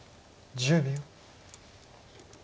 １０秒。